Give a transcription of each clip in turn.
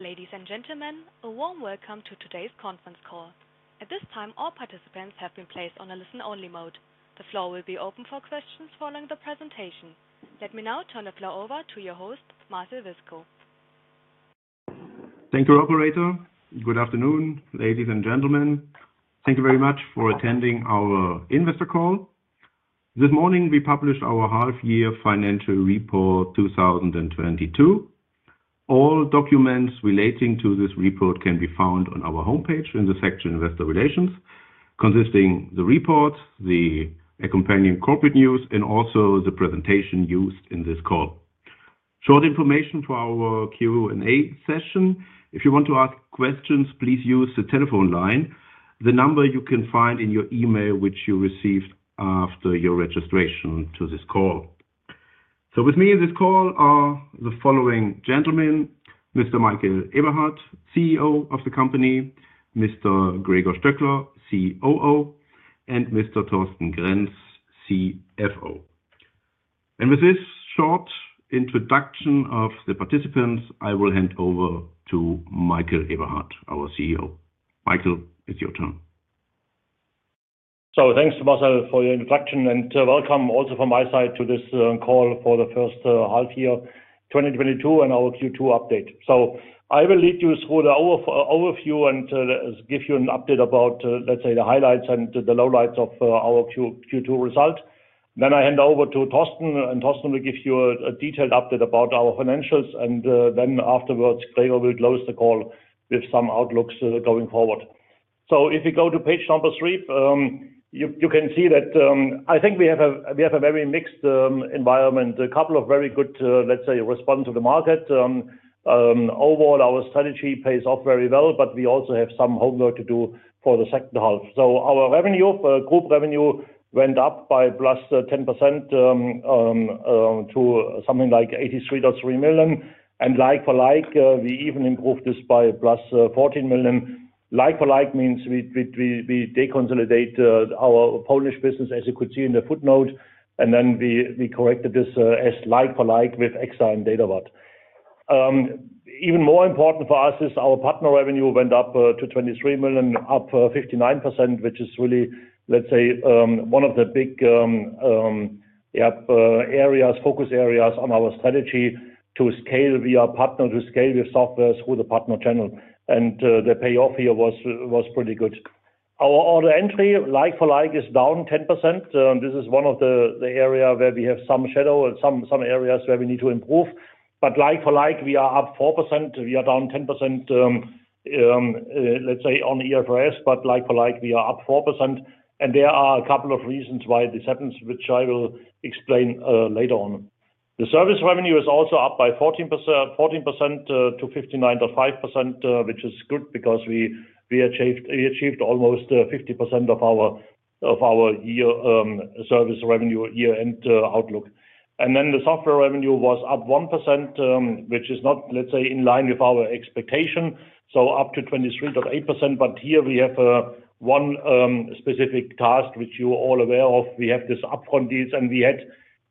Ladies and gentlemen, a warm welcome to today's conference call. At this time, all participants have been placed on a listen-only mode. The floor will be open for questions following the presentation. Let me now turn the floor over to your host, Marcel Wiskow. Thank you, operator. Good afternoon, ladies and gentlemen. Thank you very much for attending our investor call. This morning, we published our half-year financial report 2022. All documents relating to this report can be found on our homepage in the section Investor Relations, consisting of the reports, the accompanying corporate news, and also the presentation used in this call. Short information for our Q&A session. If you want to ask questions, please use the telephone line. The number you can find in your email, which you received after your registration to this call. With me in this call are the following gentlemen, Mr. Michael Eberhardt, CEO of the company, Mr. Gregor Stöckler, COO, and Mr. Thorsten Grenz, CFO. With this short introduction of the participants, I will hand over to Michael Eberhardt, our CEO. Michael, it's your turn. Thanks, Marcel, for your introduction, and welcome also from my side to this call for the first half year 2022 and our Q2 update. I will lead you through the overview and give you an update about, let's say, the highlights and the lowlights of our Q2 result. I hand over to Thorsten, and Thorsten will give you a detailed update about our financials. Afterwards, Gregor will close the call with some outlooks going forward. If you go to page number three, you can see that I think we have a very mixed environment, a couple of very good, let's say, response of the market. Overall, our strategy pays off very well, but we also have some homework to do for the second half. Our revenue, group revenue went up by 10% to something like 83.3 million. Like for like, we even improved this by 14 million. Like for like means we deconsolidate our Polish business, as you could see in the footnote, and then we corrected this as like for like with EXA Datavard. Even more important for us is our partner revenue went up to 23 million, up 59%, which is really, let's say, one of the big areas, focus areas on our strategy to scale via partners, to scale via software through the partner channel. The payoff here was pretty good. Our order entry, like for like, is down 10%. This is one of the area where we have some headwinds and some areas where we need to improve. Like for like, we are up 4%. We are down 10%, let's say on the IFRS, but like for like, we are up 4%. There are a couple of reasons why this happens, which I will explain later on. The service revenue is also up by 14% to 59.5 million, which is good because we achieved almost 50% of our year service revenue year-end outlook. Then the software revenue was up 1%, which is not, let's say, in line with our expectation, so up to 23.8 million. Here we have one specific task which you're all aware of. We have this upfront deals, and we had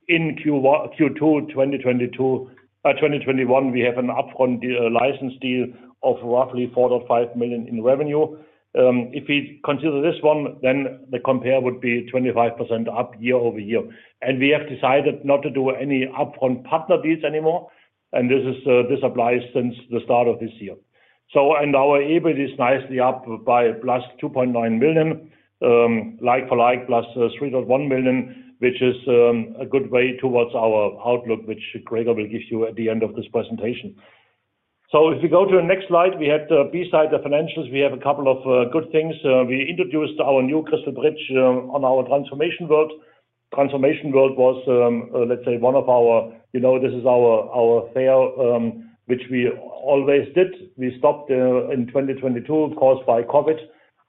in Q1-Q2 2021, we have an upfront license deal of roughly 4 million-5 million in revenue. If we consider this one, then the compare would be 25% up year-over-year. We have decided not to do any upfront partner deals anymore. This applies since the start of this year. Our EBIT is nicely up by +2.9 million, like for like, +3.1 million, which is a good way towards our outlook, which Gregor will give you at the end of this presentation. If you go to the next slide, we had beside the financials, we have a couple of good things. We introduced our new CrystalBridge on our Transformation World. Transformation World was, let's say one of our, you know, this is our fair, which we always did. We stopped in 2022 caused by COVID,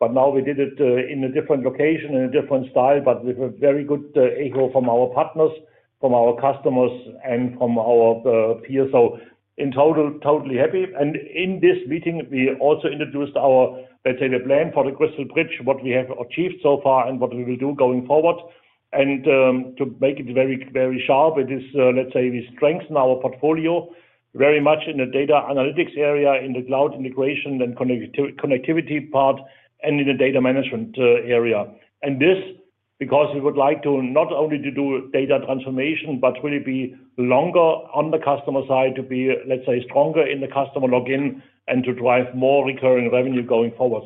but now we did it in a different location, in a different style, but with a very good echo from our partners, from our customers and from our peers. In total, totally happy. In this meeting, we also introduced our, let's say, the plan for the CrystalBridge, what we have achieved so far and what we will do going forward. To make it very, very sharp, it is, let's say, we strengthen our portfolio very much in the data analytics area, in the cloud integration and connectivity part, and in the data management area. This is because we would like not only to do data transformation, but we'll be longer on the customer side to be, let's say, stronger in the customer lock-in and to drive more recurring revenue going forward.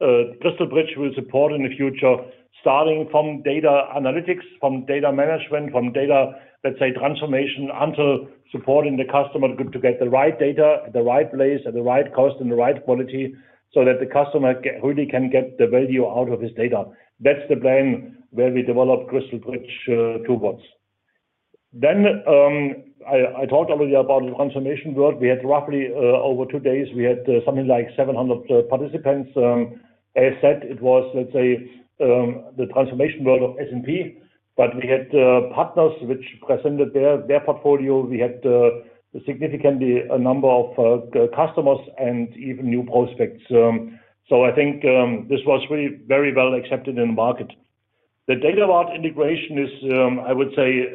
CrystalBridge will support in the future, starting from data analytics, from data management, from data, let's say, transformation, until supporting the customer to get the right data at the right place, at the right cost, and the right quality so that the customer really can get the value out of this data. That's the plan where we develop CrystalBridge towards. I talked already about the Transformation World. We had roughly, over two days, we had something like 700 participants. As said, it was, let's say, the Transformation World of SNP, but we had partners which presented their portfolio. We had significantly a number of customers and even new prospects. I think this was really very well accepted in the market. The Datavard integration is, I would say,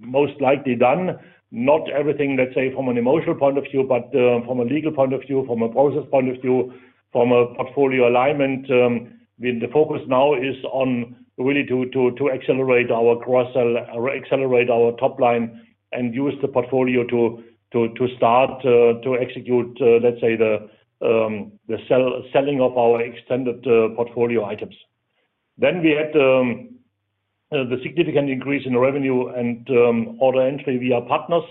most likely done. Not everything, let's say, from an emotional point of view, but from a legal point of view, from a process point of view, from a portfolio alignment. The focus now is on really to accelerate our cross-sell or accelerate our top line and use the portfolio to start to execute, let's say the selling of our extended portfolio items. We had the significant increase in the revenue and order entry via partners.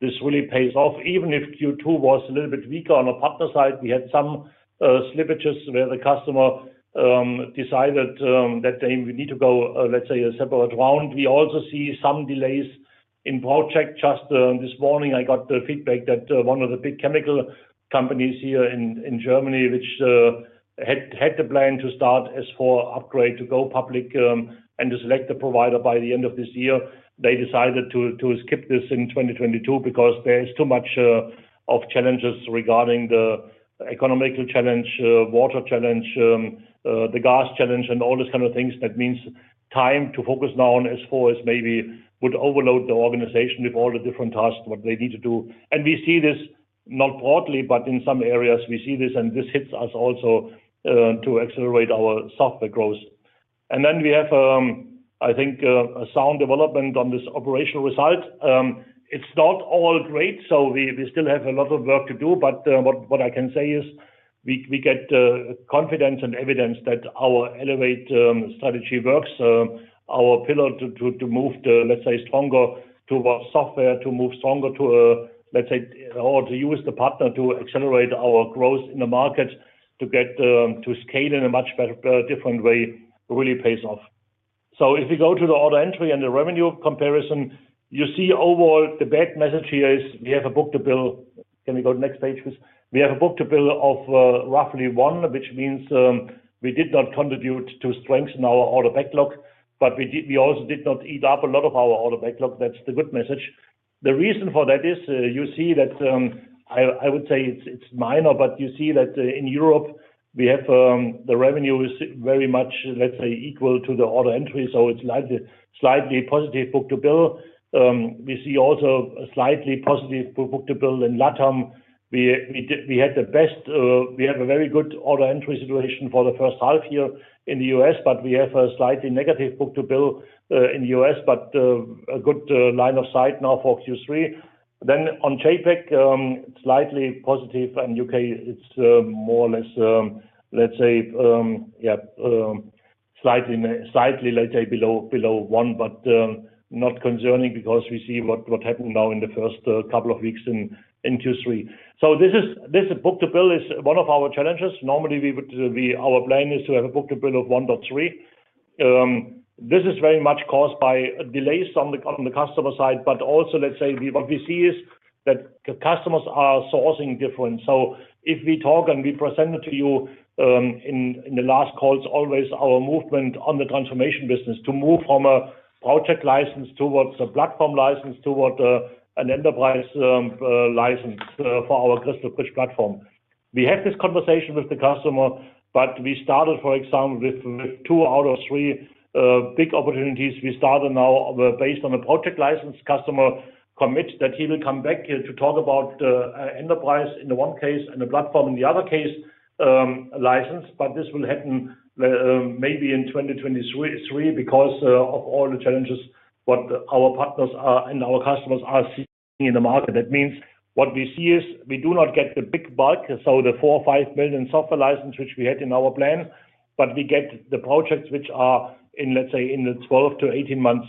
This really pays off. Even if Q2 was a little bit weaker on the partner side, we had some slippages where the customer decided that they would need to go, let's say, a separate round. We also see some delays in project. Just this morning I got the feedback that one of the big chemical companies here in Germany, which had the plan to start S/4 upgrade to go public and to select the provider by the end of this year. They decided to skip this in 2022 because there is too much of challenges regarding the economical challenge, water challenge, the gas challenge, and all those kind of things. That means time to focus now on S/4 is maybe would overload the organization with all the different tasks, what they need to do. We see this not broadly, but in some areas we see this, and this hits us also to accelerate our software growth. We have, I think, a sound development on this operational result. It's not all great, so we still have a lot of work to do. What I can say is we get confidence and evidence that our Elevate strategy works. Our pillar to move the, let's say, stronger to our software, to move stronger to, let's say or to use the partner to accelerate our growth in the market, to get to scale in a much better different way really pays off. If you go to the order entry and the revenue comparison, you see overall the bad message here is we have a book-to-bill. Can we go to next page, please? We have a book-to-bill of roughly one, which means we did not contribute to strengthen our order backlog, but we also did not eat up a lot of our order backlog. That's the good message. The reason for that is you see that I would say it's minor, but you see that in Europe we have the revenue is very much, let's say, equal to the order entry, so it's slightly positive book-to-bill. We see also a slightly positive book-to-bill in LatAm. We had a very good order entry situation for the first half year in the U.S., but we have a slightly negative book-to-bill in the U.S., but a good line of sight now for Q3. On JAPAC, slightly positive. In U.K., it's more or less, let's say, slightly below one, but not concerning because we see what happened now in the first couple of weeks in Q3. This book-to-bill is one of our challenges. Normally, our plan is to have a book-to-bill of 1.3. This is very much caused by delays on the customer side, but also, let's say, what we see is that customers are sourcing different. If we talk, and we presented to you in the last calls always our movement on the transformation business to move from a project license towards a platform license toward an enterprise license for our CrystalBridge platform. We have this conversation with the customer, but we started, for example, with two out of three big opportunities. We started now based on a project license customer commit that he will come back here to talk about enterprise in the one case and a platform in the other case license. This will happen maybe in 2023 because of all the challenges what our partners are and our customers are seeing in the market. That means what we see is we do not get the big bulk, so the 4 million or 5 million software license which we had in our plan, but we get the projects which are in, let's say, in the 12 to 18 months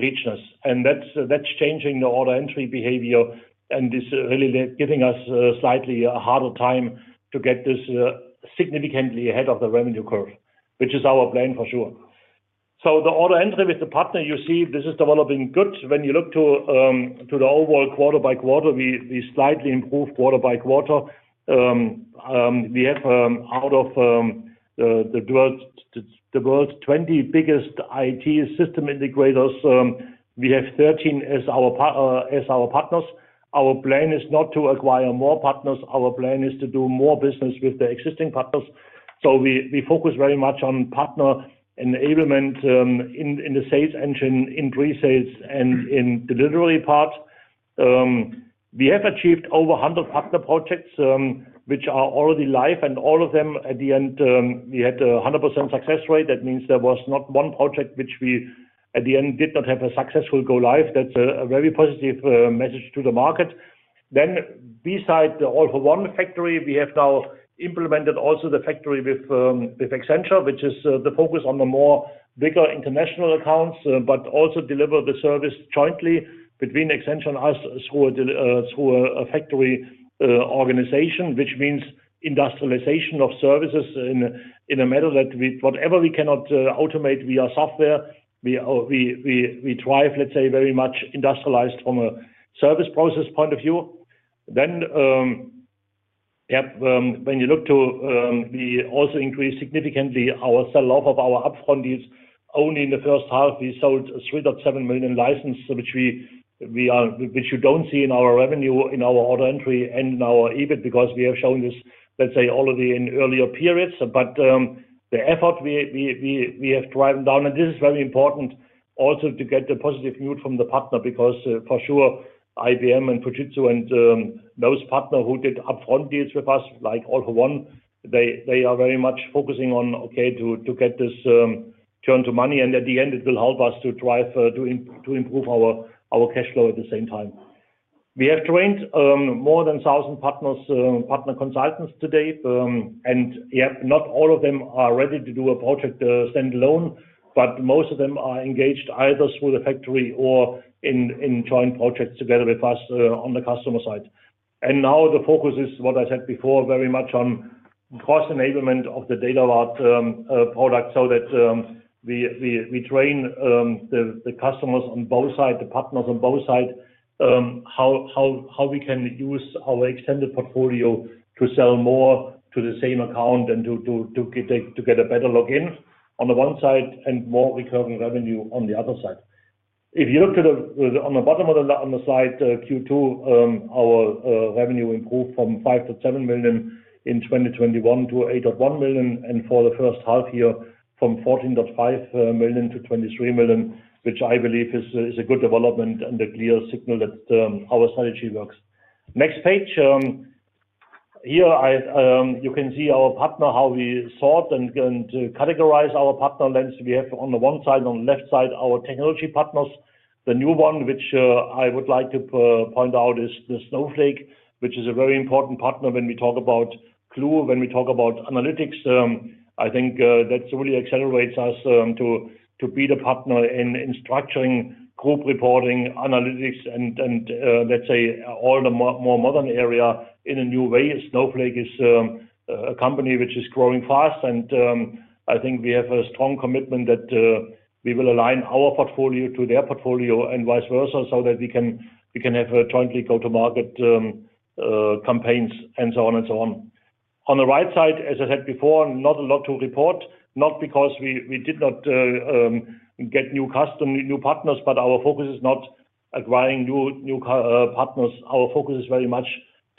reach us. That's changing the order entry behavior and is really giving us slightly a harder time to get this significantly ahead of the revenue curve, which is our plan for sure. The order entry with the partner, you see this is developing good. When you look to the overall quarter by quarter, we slightly improve quarter by quarter. We have out of the world's 20 biggest IT system integrators, we have 13 as our partners. Our plan is not to acquire more partners. Our plan is to do more business with the existing partners. We focus very much on partner enablement in the sales engine, in pre-sales, and in delivery part. We have achieved over 100 partner projects, which are already live, and all of them at the end, we had a 100% success rate. That means there was not one project which we at the end did not have a successful go live. That's a very positive message to the market. Beside the All for One Factory, we have now implemented also the factory with Accenture, which is the focus on the much bigger international accounts, but also deliver the service jointly between Accenture and us through a factory organization, which means industrialization of services in a manner that whatever we cannot automate via software, we drive, let's say, very much industrialized from a service process point of view. When you look at, we also increased significantly our sales of our upfront deals. Only in the first half, we sold 3.7 million licenses, which you don't see in our revenue, in our order entry, and in our EBIT, because we have shown this, let's say, already in earlier periods. The effort we have driven down, and this is very important also to get the positive view from the partners because for sure IBM and Fujitsu and those partners who did upfront deals with us, like All for One Group, they are very much focusing on to get this turn to money, and at the end, it will help us to drive to improve our cash flow at the same time. We have trained more than 1,000 partner consultants to date. Yep, not all of them are ready to do a project stand alone, but most of them are engaged either through the factory or in joint projects together with us on the customer side. Now the focus is what I said before, very much on cross-enablement of the DataLab product, so that we train the customers on both sides, the partners on both sides, how we can use our extended portfolio to sell more to the same account and to get a better login on the one side and more recurring revenue on the other side. If you look at the bottom of the slide, Q2, our revenue improved from 5 million to 7 million in 2021 to 8.1 million, and for the first half year from 14.5 million to 23 million, which I believe is a good development and a clear signal that our strategy works. Next page. You can see our partners, how we sort and categorize our partner landscape. We have on the one side, on the left side, our technology partners. The new one, which I would like to point out, is Snowflake, which is a very important partner when we talk about cloud, when we talk about analytics. I think that really accelerates us to be the partner in structuring group reporting, analytics and, let's say, all the more modern area in a new way. Snowflake is a company which is growing fast and I think we have a strong commitment that we will align our portfolio to their portfolio and vice versa, so that we can have a joint go-to-market campaigns and so on and so on. On the right side, as I said before, not a lot to report, not because we did not get new partners, but our focus is not acquiring new partners. Our focus is very much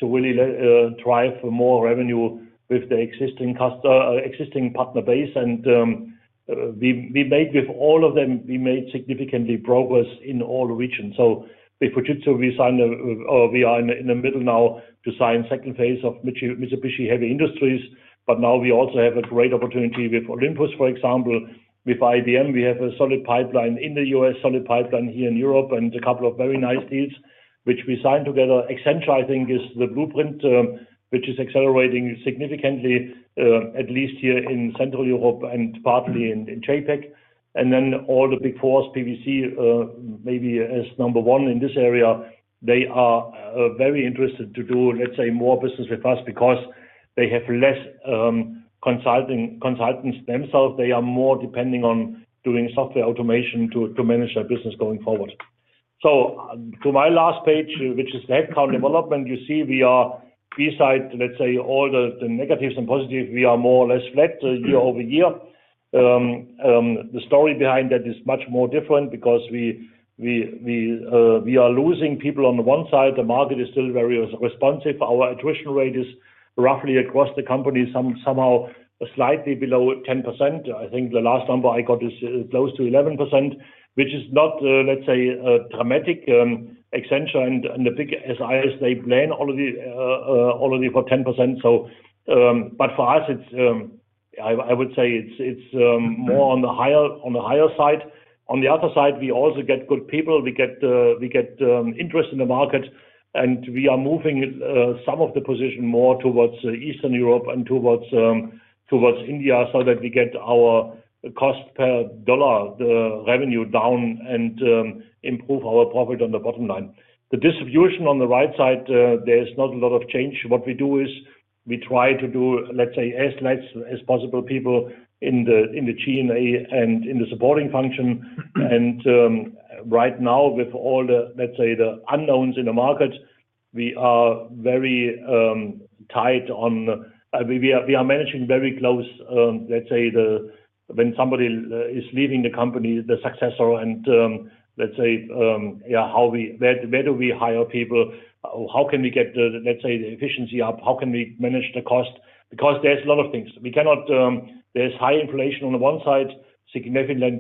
to really drive more revenue with the existing partner base. We made with all of them significant progress in all regions. With Fujitsu, we signed or we are in the middle now to sign second phase of Mitsubishi Heavy Industries. We also have a great opportunity with Olympus, for example. With IBM, we have a solid pipeline in the U.S., solid pipeline here in Europe, and a couple of very nice deals which we signed together. Accenture, I think is the blueprint, which is accelerating significantly, at least here in Central Europe and partly in JAPAC. Then all the Big Four, PwC, maybe as number one in this area, they are very interested to do, let's say, more business with us because they have less consulting consultants themselves. They are more depending on doing software automation to manage their business going forward. To my last page, which is the headcount development, you see we are beside, let's say, all the negatives and positives, we are more or less flat year-over-year. The story behind that is much more different because we are losing people on the one side. The market is still very responsive. Our attrition rate is roughly across the company, somehow slightly below 10%. I think the last number I got is close to 11%, which is not, let's say, a dramatic, Accenture and the big SIs, they plan already for 10%, so. For us, I would say it's more on the higher side. On the other side, we also get good people. We get interest in the market, and we are moving some of the position more towards Eastern Europe and towards India so that we get our cost per dollar of the revenue down and improve our profit on the bottom line. The distribution on the right side, there is not a lot of change. What we do is we try to do, let's say, as less as possible people in the G&A and in the supporting function. Right now with all the, let's say, the unknowns in the market, we are very tight on. We are managing very close, let's say the when somebody is leaving the company, the successor and, let's say, yeah, where do we hire people? How can we get the, let's say, the efficiency up? How can we manage the cost? Because there's a lot of things. We cannot. There's high inflation on the one side, significant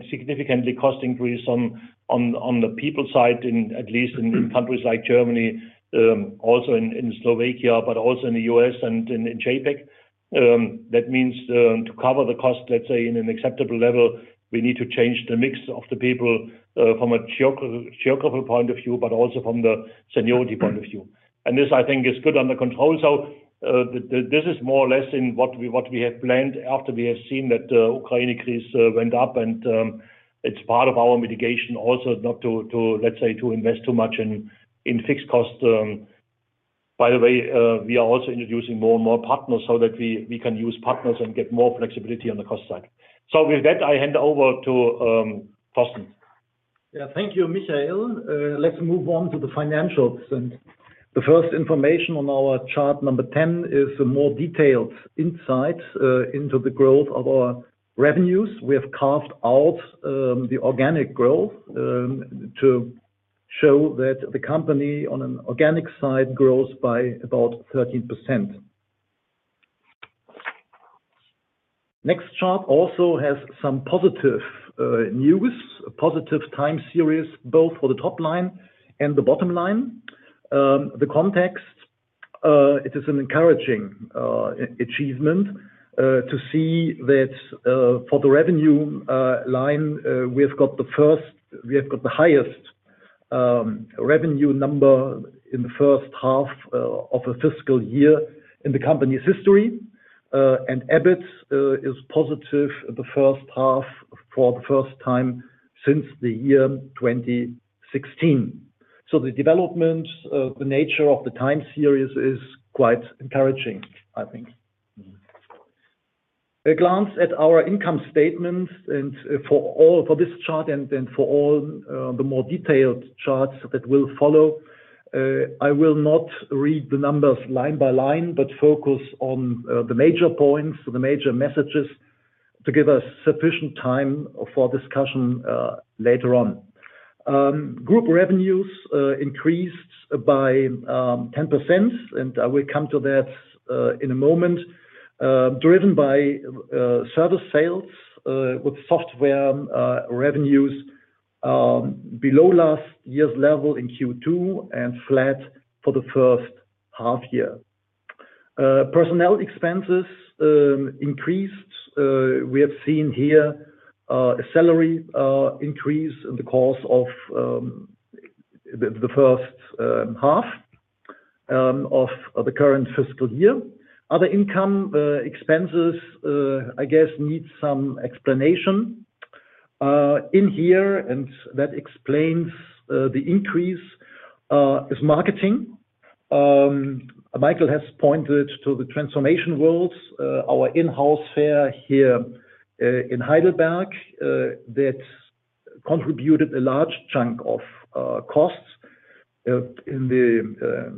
cost increase on the people side, in at least in countries like Germany, also in Slovakia, but also in the U.S. and in JAPAC. That means to cover the cost, let's say in an acceptable level, we need to change the mix of the people from a geographical point of view, but also from the seniority point of view. This I think is good under control. This is more or less in what we have planned after we have seen that Ukraine crisis went up and it's part of our mitigation also not to let's say to invest too much in fixed cost. By the way, we are also introducing more and more partners so that we can use partners and get more flexibility on the cost side. With that, I hand over to Thorsten. Yeah. Thank you, Michael. Let's move on to the financials. The first information on our chart number 10 is a more detailed insight into the growth of our revenues. We have carved out the organic growth to show that the company, on an organic side, grows by about 13%. Next chart also has some positive news, positive time series, both for the top line and the bottom line. The context it is an encouraging achievement to see that for the revenue line we have got the highest revenue number in the first half of a fiscal year in the company's history. EBIT is positive the first half for the first time since the year 2016. The development, the nature of the time series is quite encouraging, I think. A glance at our income statement and for this chart and for all the more detailed charts that will follow, I will not read the numbers line by line, but focus on the major points, the major messages, to give us sufficient time for discussion later on. Group revenues increased by 10%, and I will come to that in a moment, driven by service sales, with software revenues below last year's level in Q2 and flat for the first half year. Personnel expenses increased. We have seen here a salary increase in the course of the first half of the current fiscal year. Other income expenses I guess need some explanation in here, and that explains the increase is marketing. Michael has pointed to the Transformation World, our in-house fair here in Heidelberg, that contributed a large chunk of costs in the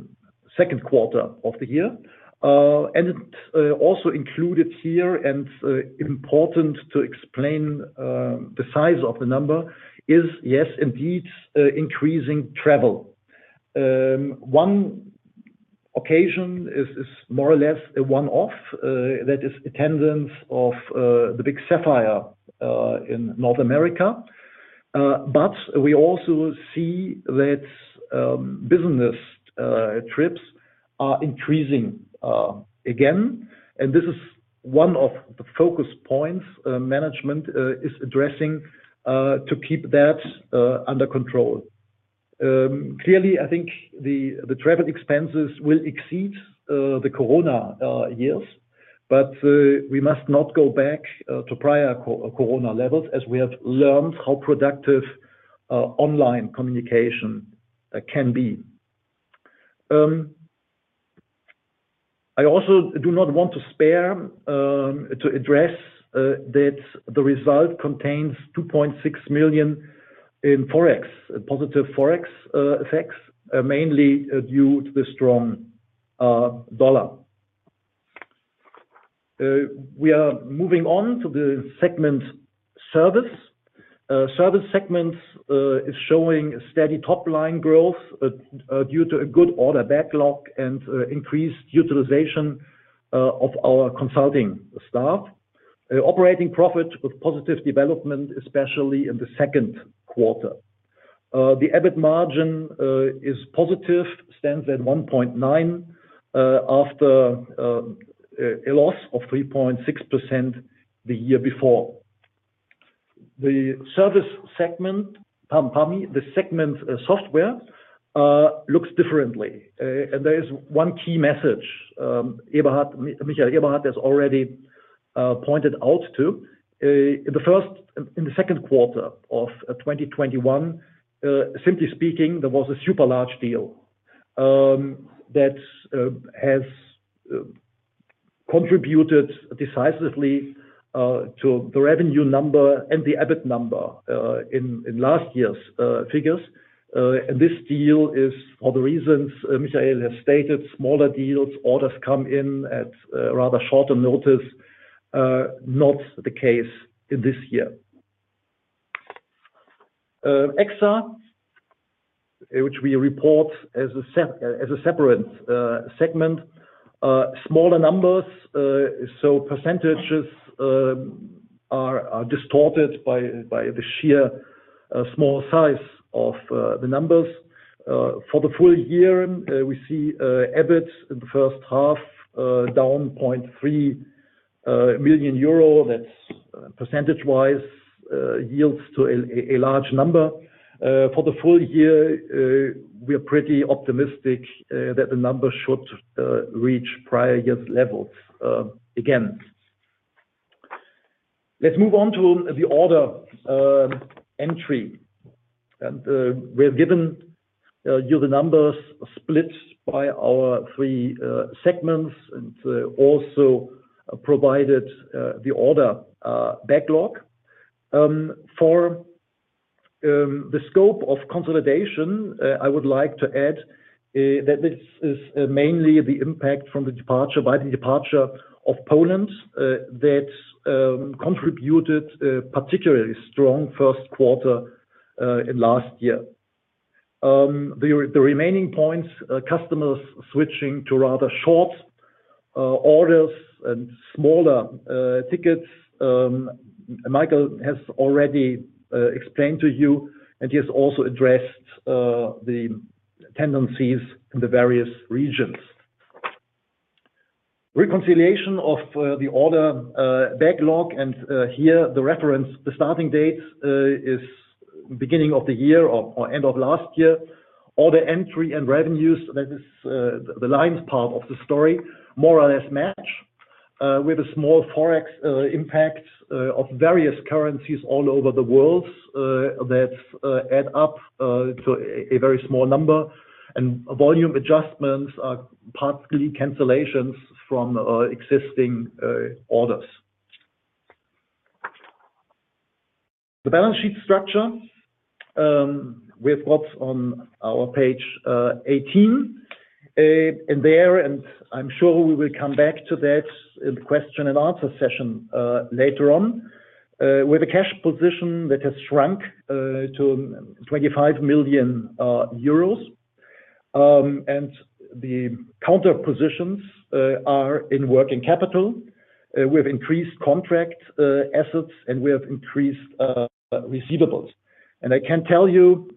second quarter of the year. It also included here and important to explain the size of the number is, yes, indeed, increasing travel. One occasion is more or less a one-off, that is attendance of the big SAP Sapphire in North America. But we also see that business trips are increasing again. This is one of the focus points management is addressing to keep that under control. Clearly, I think the travel expenses will exceed the COVID years, but we must not go back to prior COVID levels as we have learned how productive online communication can be. I also do not want to fail to address that the result contains 2.6 million in Forex, positive Forex effects, mainly due to the strong dollar. We are moving on to the service segment. The service segment is showing a steady top-line growth due to a good order backlog and increased utilization of our consulting staff. Operating profit with positive development, especially in the second quarter. The EBIT margin is positive, stands at 1.9%, after a loss of 3.6% the year before. The service segment, pardon me, the software segment looks differently. There is one key message, Michael Eberhardt has already pointed out. In the second quarter of 2021, simply speaking, there was a super large deal that has contributed decisively to the revenue number and the EBIT number in last year's figures. This deal, for the reasons Michael has stated, smaller deals, orders come in at rather shorter notice. Not the case in this year. EXA, which we report as a separate segment, smaller numbers, so percentages are distorted by the sheer small size of the numbers. For the full year, we see EBIT in the first half down 0.3 million euro. That percentage-wise yields a large number. For the full year, we are pretty optimistic that the numbers should reach prior year's levels again. Let's move on to the order entry. We have given you the numbers split by our three segments and also provided the order backlog. For the scope of consolidation, I would like to add that this is mainly the impact from the departure of Poland that contributed a particularly strong first quarter in last year. The remaining points, customers switching to rather short orders and smaller tickets, Michael has already explained to you, and he has also addressed the tendencies in the various regions. Reconciliation of the order backlog, and here the reference, the starting date is beginning of the year or end of last year. Order entry and revenues, that is, the lion's part of the story, more or less match with a small Forex impact of various currencies all over the world that add up to a very small number. Volume adjustments are partly cancellations from existing orders. The balance sheet structure with what's on our page 18. In there, and I'm sure we will come back to that in the question and answer session later on. With a cash position that has shrunk to 25 million euros. The counter positions are in working capital. We have increased contract assets, and we have increased receivables. I can tell you,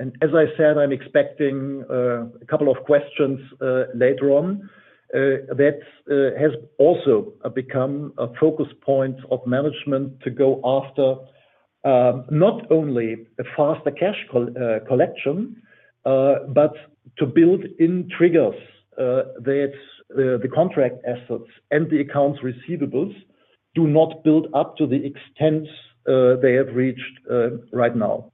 and as I said, I'm expecting a couple of questions later on that has also become a focus point of management to go after not only a faster cash collection but to build in triggers that the contract assets and the accounts receivables do not build up to the extent they have reached right now.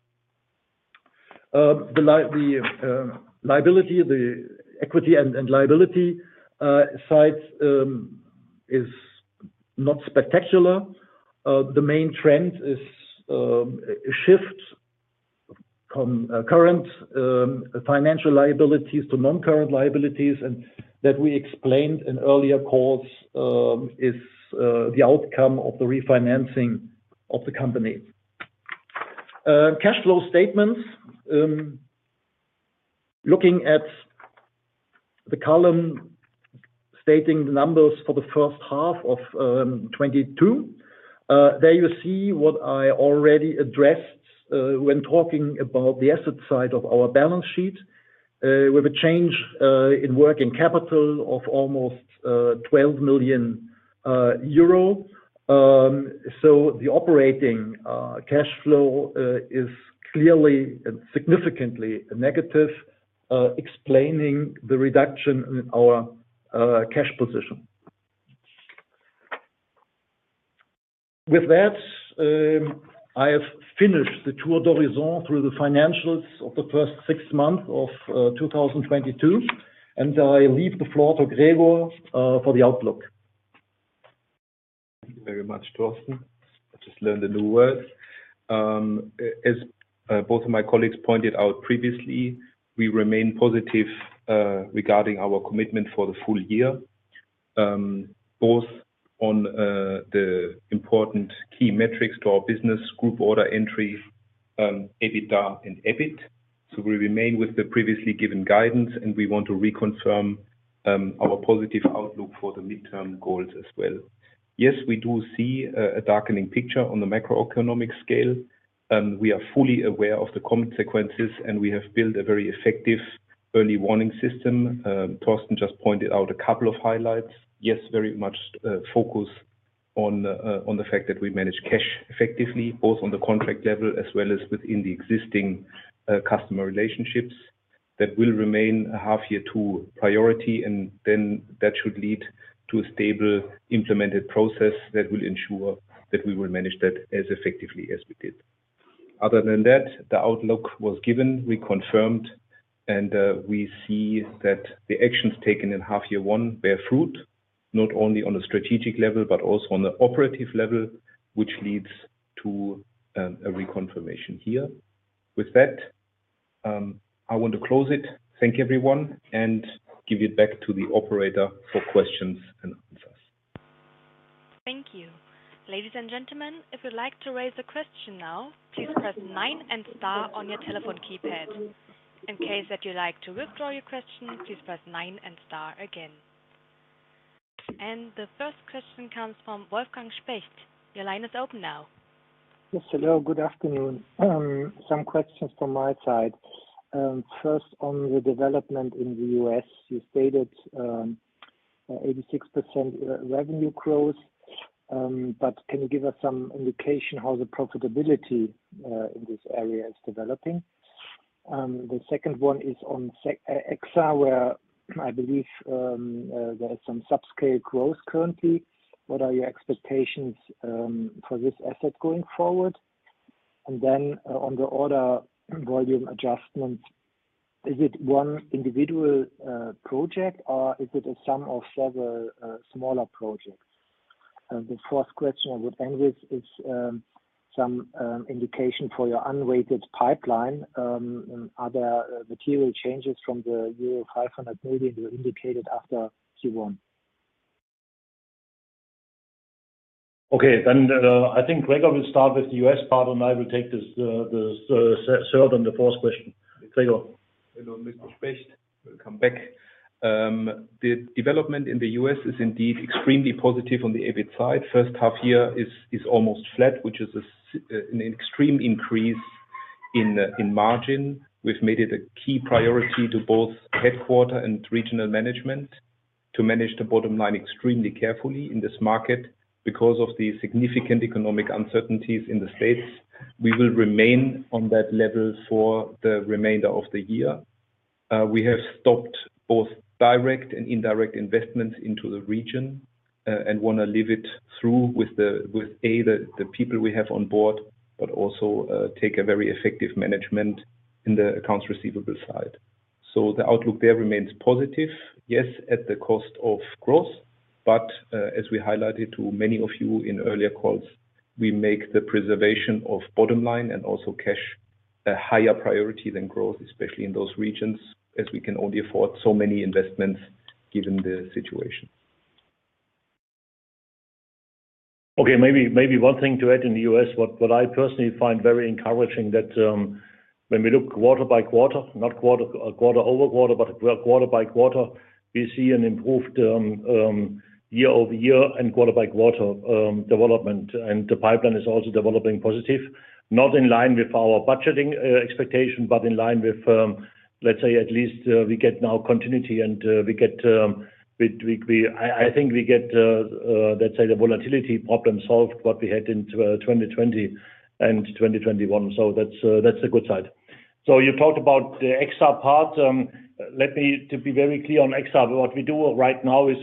The liability, the equity and liability side is not spectacular. The main trend is a shift from current financial liabilities to non-current liabilities, and that we explained in earlier calls is the outcome of the refinancing of the company. Cash flow statements. Looking at the column stating the numbers for the first half of 2022. There you see what I already addressed when talking about the asset side of our balance sheet with a change in working capital of almost 12 million euro. The operating cash flow is clearly and significantly negative, explaining the reduction in our cash position. With that, I have finished the tour d'horizon through the financials of the first six months of 2022, and I leave the floor to Gregor for the outlook. Thank you very much, Thorsten. I just learned a new word. Both of my colleagues pointed out previously, we remain positive regarding our commitment for the full year both on the important key metrics to our business group order entry EBITDA and EBIT. We remain with the previously given guidance, and we want to reconfirm our positive outlook for the midterm goals as well. Yes, we do see a darkening picture on the macroeconomic scale, and we are fully aware of the consequences, and we have built a very effective early warning system. Thorsten just pointed out a couple of highlights. Yes, very much focus on the fact that we manage cash effectively, both on the contract level as well as within the existing customer relationships. That will remain a half-year two priority, and then that should lead to a stable implemented process that will ensure that we will manage that as effectively as we did. Other than that, the outlook was given, reconfirmed, and we see that the actions taken in half year one bear fruit, not only on a strategic level, but also on the operative level, which leads to a reconfirmation here. With that, I want to close it, thank everyone, and give it back to the operator for questions and answers. Thank you. Ladies and gentlemen, if you'd like to raise a question now, please press nine and star on your telephone keypad. In case that you'd like to withdraw your question, please press nine and star again. The first question comes from Wolfgang Specht. Your line is open now. Yes, hello. Good afternoon. Some questions from my side. First on the development in the U.S. You stated, 86% revenue growth, but can you give us some indication how the profitability in this area is developing? The second one is on EXA, where I believe there is some sub-scale growth currently. What are your expectations for this asset going forward? On the order volume adjustment, is it one individual project or is it a sum of several smaller projects? The fourth question I would end with is some indication for your unweighted pipeline. Are there material changes from the euro 500 million you indicated after Q1? Okay. I think Gregor will start with the U.S. part, and I will take this, the third and the fourth question. Gregor. Hello, Mr. Specht. Welcome back. The development in the U.S. is indeed extremely positive on the EBIT side. First half year is almost flat, which is an extreme increase in margin. We've made it a key priority to both headquarters and regional management to manage the bottom line extremely carefully in this market because of the significant economic uncertainties in the States. We will remain on that level for the remainder of the year. We have stopped both direct and indirect investments into the region and want to live it through with the people we have on board, but also take a very effective management in the accounts receivable side. The outlook there remains positive, yes, at the cost of growth as we highlighted to many of you in earlier calls, we make the preservation of bottom line and also cash a higher priority than growth, especially in those regions, as we can only afford so many investments given the situation. Okay. Maybe one thing to add in the U.S., what I personally find very encouraging that when we look quarter by quarter, not quarter-over-quarter, but quarter by quarter, we see an improved year-over-year and quarter-by-quarter development. The pipeline is also developing positively, not in line with our budgeting expectation, but in line with, let's say at least, we get now continuity and we get, I think we get, let's say the volatility problem solved what we had in 2020 and 2021. That's the good side. You talked about the EXA part. Let me be very clear on EXA. What we do right now is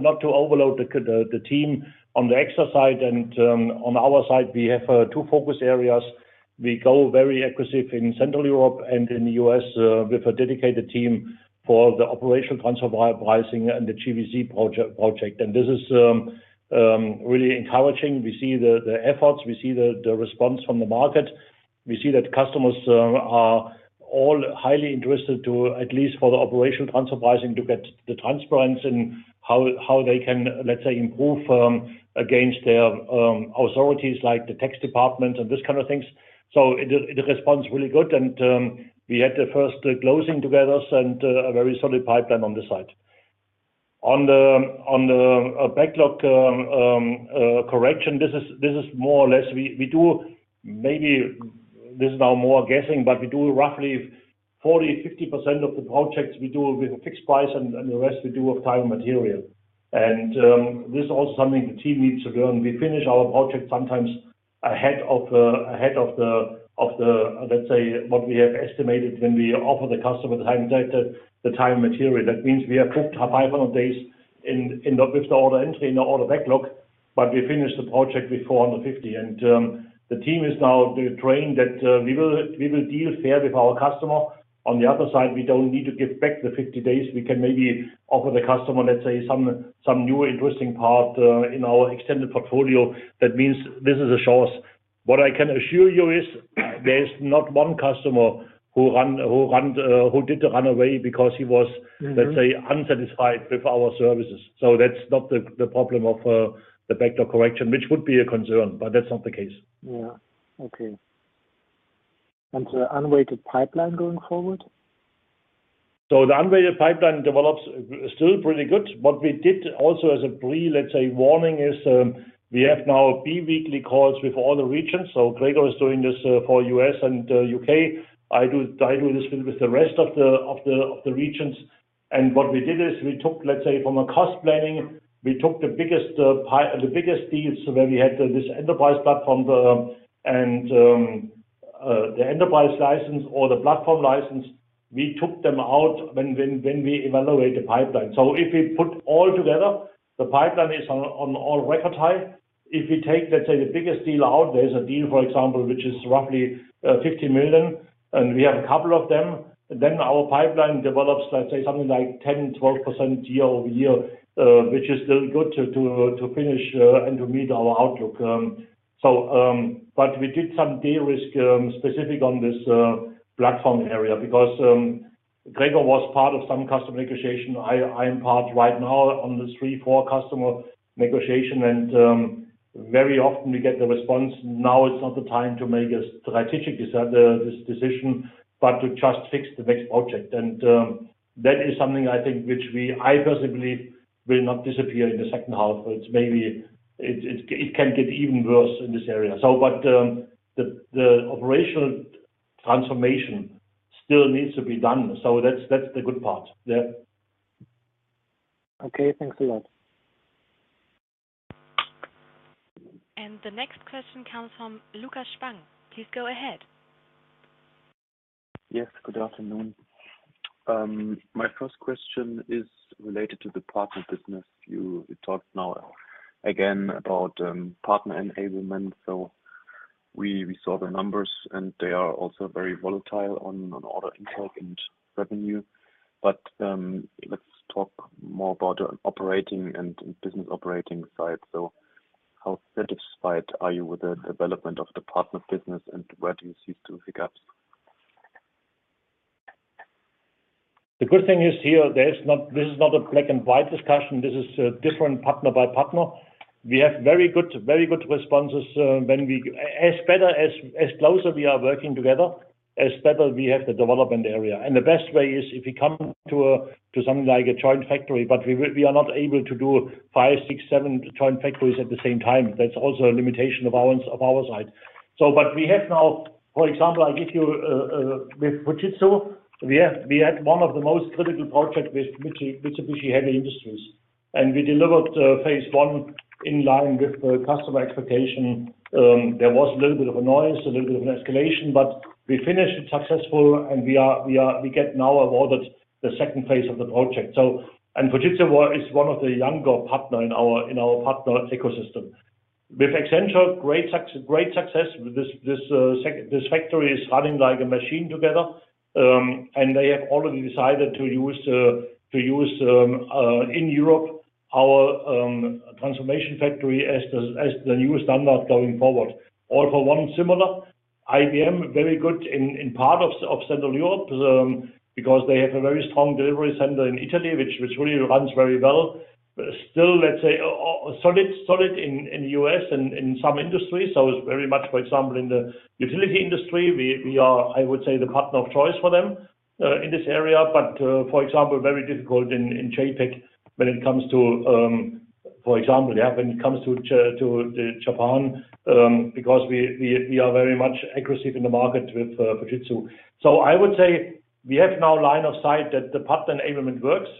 not to overload the team on the EXA side and on our side, we have two focus areas. We go very aggressive in Central Europe and in the U.S. with a dedicated team for the operational transfer pricing and the GVC project. This is really encouraging. We see the efforts, we see the response from the market. We see that customers are all highly interested, at least for the operational transfer pricing, to get the transparency and how they can, let's say, improve against their authorities like the tax department and this kind of things. It responds really good and we had the first closing together and a very solid pipeline on this side. On the backlog, correction, this is more or less. We do maybe this is now more guessing, but we do roughly 40%-50% of the projects we do with a fixed price and the rest we do with time and material. This is also something the team needs to learn. We finish our project sometimes ahead of the, of the, let's say, what we have estimated when we offer the customer the time and material. That means we have booked 500 days with the order entry in the order backlog, but we finish the project with 450. The team is now trained that we will deal fair with our customer. On the other side, we don't need to give back the 50 days. We can maybe offer the customer, let's say, some new interesting part in our extended portfolio. That means this is a short. What I can assure you is there is not one customer who ran away because he was. Mm-hmm. Let's say unsatisfied with our services. That's not the problem of the backlog correction, which would be a concern, but that's not the case. Yeah. Okay. The unweighted pipeline going forward? The unweighted pipeline develops still pretty good. What we did also as a pre-warning is we have now biweekly calls with all the regions. Gregor is doing this for U.S. and U.K. I do this with the rest of the regions. What we did is we took, let's say from a cost planning, we took the biggest deals where we had this enterprise platform and the enterprise license or the platform license, we took them out when we evaluate the pipeline. If we put all together, the pipeline is at an all-time record high. If we take, let's say the biggest deal out, there is a deal, for example, which is roughly 50 million, and we have a couple of them, then our pipeline develops, let's say something like 10%-12% year-over-year, which is still good to finish and to meet our outlook. We did some de-risk specific on this platform area because Gregor was part of some customer negotiation. I'm involved right now in this three to four customer negotiation and very often we get the response, "Now is not the time to make a strategic decision, but to just fix the next project." That is something I think which, I personally, will not disappear in the second half, but it's maybe it can get even worse in this area. But the operational transformation still needs to be done. That's the good part. Yeah. Okay. Thanks a lot. The next question comes from Lukas Spang. Please go ahead. Yes. Good afternoon. My first question is related to the partner business. You talked now again about partner enablement. We saw the numbers, and they are also very volatile on order intake and revenue. Let's talk more about operating and business operating side. How satisfied are you with the development of the partner business, and where do you see still the gaps? The good thing is here, this is not a black and white discussion. This is different partner by partner. We have very good responses when we as better as closer we are working together, as better we have the development area. The best way is if you come to something like a joint factory. We are not able to do five, six, seven joint factories at the same time. That's also a limitation of our side. We have now, for example, with Fujitsu. We had one of the most critical project with Mitsubishi Heavy Industries, and we delivered phase 1 in line with the customer expectation. There was a little bit of a noise, a little bit of an escalation, but we finished it successful and we are now awarded the second phase of the project. Fujitsu is one of the younger partner in our partner ecosystem. With Accenture, great success. This factory is running like a machine together, and they have already decided to use in Europe our transformation factory as the new standard going forward. All for One, similar. IBM, very good in part of Central Europe, because they have a very strong delivery center in Italy, which really runs very well. Still, let's say, solid in the U.S. and in some industries. It's very much for example, in the utility industry, we are, I would say, the partner of choice for them in this area. For example, very difficult in JAPAC when it comes to, for example, when it comes to the Japan, because we are very much aggressive in the market with Fujitsu. I would say we have now line of sight that the partner enablement works.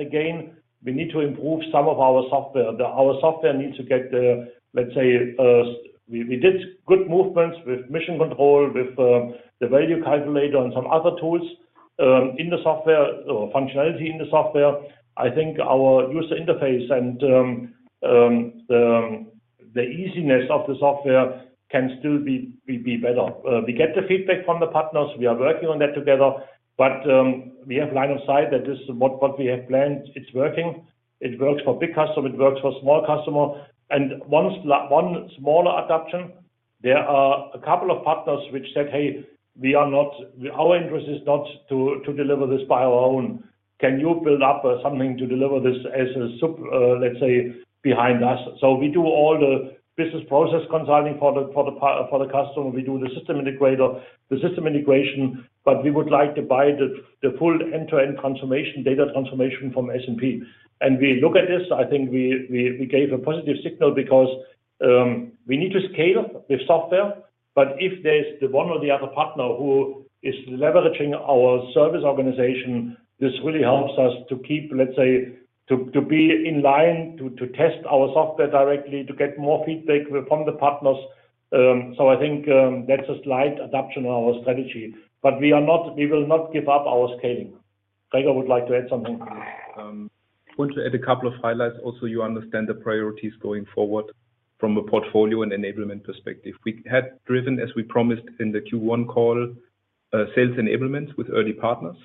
Again, we need to improve some of our software. Our software needs to get, let's say, we did good movements with Mission Control, with the value calculator and some other tools in the software functionality in the software. I think our user interface and the easiness of the software can still be better. We get the feedback from the partners. We are working on that together. We have line of sight that this is what we have planned. It's working. It works for big customer, it works for small customer. One smaller adaptation, there are a couple of partners which said, "Hey, our interest is not to deliver this on our own. Can you build up something to deliver this as a, let's say, behind us?" We do all the business process consulting for the customer. We do the system integration, but we would like to buy the full end-to-end transformation, data transformation from SAP. We look at this, I think we gave a positive signal because we need to scale the software. If there's the one or the other partner who is leveraging our service organization, this really helps us to keep, let's say, to be in line, to test our software directly, to get more feedback from the partners. I think that's a slight adaptation of our strategy. We will not give up our scaling. Gregor would like to add something. Want to add a couple of highlights. Also, you understand the priorities going forward from a portfolio and enablement perspective. We had driven, as we promised in the Q1 call, sales enablement with early partners.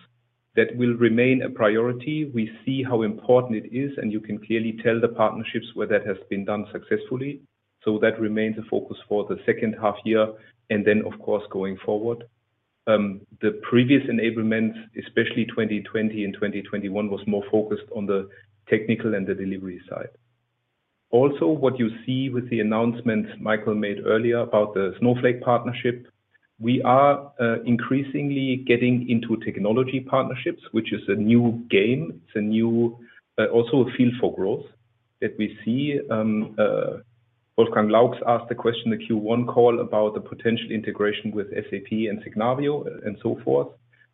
That will remain a priority. We see how important it is, and you can clearly tell the partnerships where that has been done successfully. That remains a focus for the second half year, and then of course, going forward. The previous enablement, especially 2020 and 2021, was more focused on the technical and the delivery side. Also, what you see with the announcements Michael made earlier about the Snowflake partnership, we are increasingly getting into technology partnerships, which is a new game. It's a new, also a field for growth that we see. Volkan Laux asked the question in the Q1 call about the potential integration with SAP and Signavio and so forth.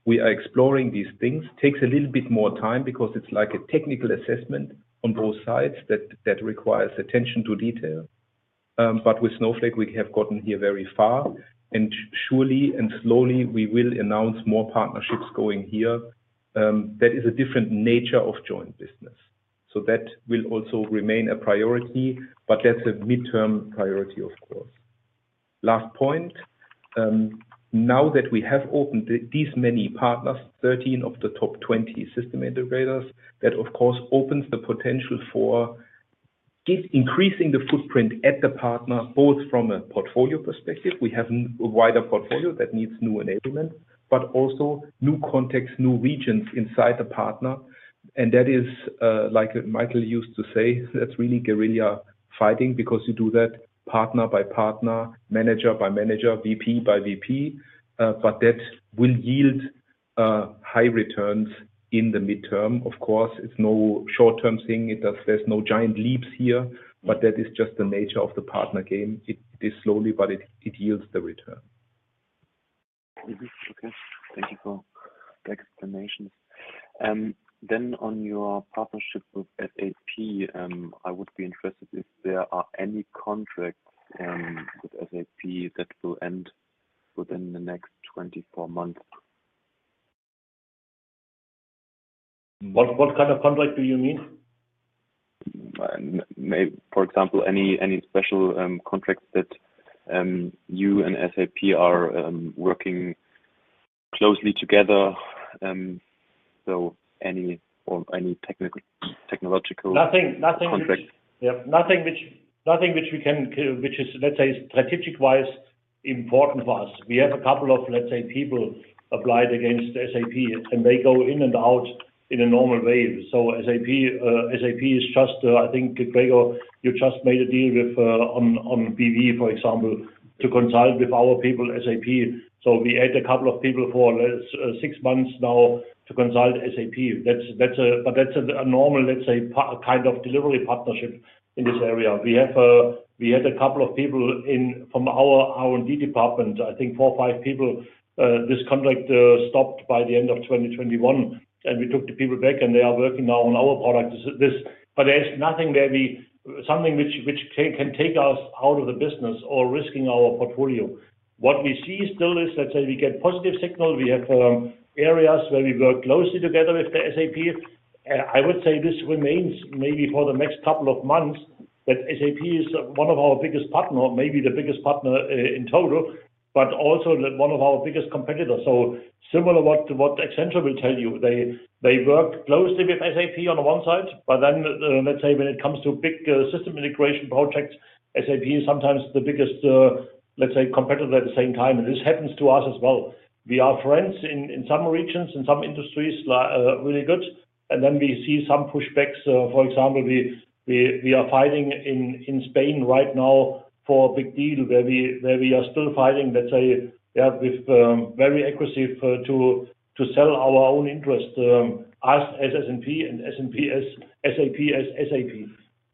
We are exploring these things. It takes a little bit more time because it's like a technical assessment on both sides that requires attention to detail. With Snowflake, we have gotten here very far, and surely and slowly, we will announce more partnerships going here. That is a different nature of joint business. That will also remain a priority, but that's a midterm priority, of course. Last point. Now that we have opened these many partners, 13 of the top 20 system integrators, that of course opens the potential for increasing the footprint at the partner, both from a portfolio perspective, we have a wider portfolio that needs new enablement, but also new context, new regions inside the partner. That is, like Michael used to say, that's really guerrilla fighting because you do that partner by partner, manager by manager, VP by VP. That will yield high returns in the midterm. Of course, it's no short-term thing. There's no giant leaps here, but that is just the nature of the partner game. It is slowly, but it yields the return. Okay. Thank you for explanation. On your partnership with SAP, I would be interested if there are any contracts with SAP that will end within the next 24 months. What kind of contract do you mean? For example, any special contracts that you and SAP are working closely together. Any technological Nothing. -contract. Yeah. Nothing which is, let's say, strategic-wise important for us. We have a couple of, let's say, people applied against SAP, and they go in and out in a normal way. SAP is just, I think, Gregor, you just made a deal with, on PV, for example, to consult with our people SAP. We had a couple of people for six months now to consult SAP. That's a normal, let's say, kind of delivery partnership in this area. We had a couple of people from our R&D department, I think four or five people, this contract stopped by the end of 2021, and we took the people back, and they are working now on our product. There's nothing that we—something which can take us out of the business or risking our portfolio. What we see still is, let's say, we get positive signals. We have areas where we work closely together with SAP. I would say this remains maybe for the next couple of months, but SAP is one of our biggest partner, maybe the biggest partner in total, but also one of our biggest competitors. Similar to what Accenture will tell you. They work closely with SAP on the one side, but then, let's say when it comes to big system integration projects, SAP is sometimes the biggest competitor at the same time. This happens to us as well. We are friends in some regions, in some industries, like really good. We see some pushbacks. For example, we are fighting in Spain right now for a big deal where we are still fighting, let's say, with very aggressive to sell our own interest, us as SNP and SNP as SAP as SAP.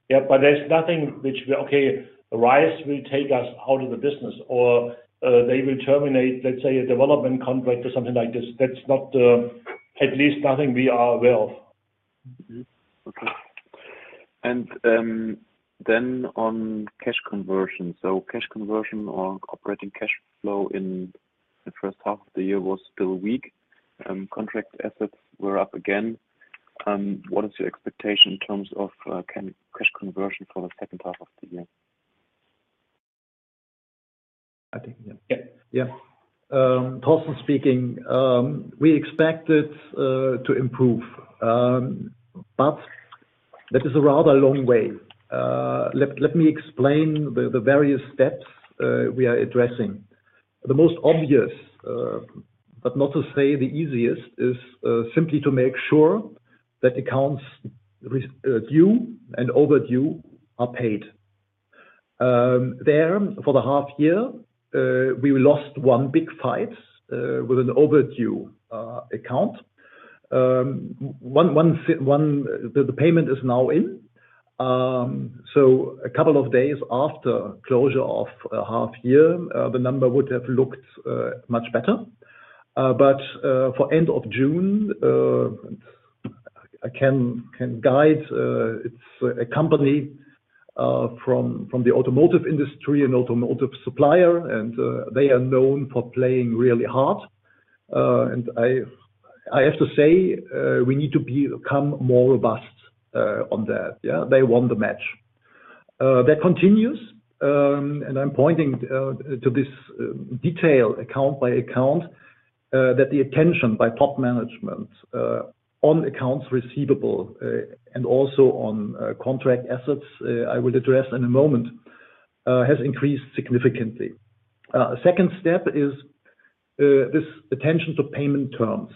Yeah. There's nothing which we okay, RISE will take us out of the business or they will terminate, let's say, a development contract or something like this. That's not at least nothing we are aware of. On cash conversion. Cash conversion or operating cash flow in the first half of the year was still weak. Contract assets were up again. What is your expectation in terms of cash conversion for the second half of the year? I think, yeah. Yeah. Thorsten speaking. We expect it to improve. That is a rather long way. Let me explain the various steps we are addressing. The most obvious, but not to say the easiest, is simply to make sure that accounts due and overdue are paid. There, for the half year, we lost one big fight with an overdue account. The payment is now in. A couple of days after closure of a half year, the number would have looked much better. For end of June, I can guide, it's a company from the automotive industry and automotive supplier, and they are known for playing really hard. I have to say, we need to become more robust on that. Yeah. They won the match. That continues. I'm pointing to this detail, account by account, that the attention by top management on accounts receivable and also on contract assets, I will address in a moment, has increased significantly. Second step is this attention to payment terms,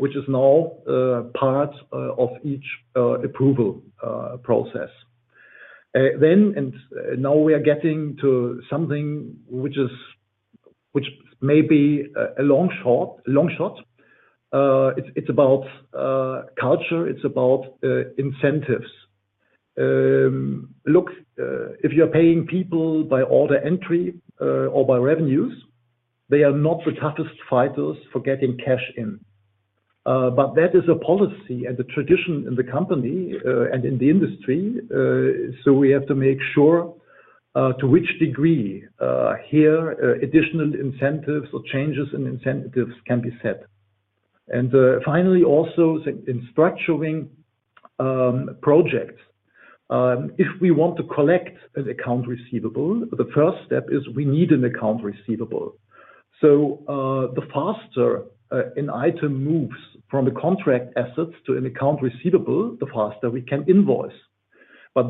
which is now part of each approval process. Now we are getting to something which may be a long shot. It's about culture. It's about incentives. Look, if you're paying people by order entry or by revenues, they are not the toughest fighters for getting cash in. That is a policy and a tradition in the company, and in the industry, so we have to make sure to which degree here additional incentives or changes in incentives can be set. Finally, also in structuring projects, if we want to collect an account receivable, the first step is we need an account receivable. The faster an item moves from a contract assets to an account receivable, the faster we can invoice.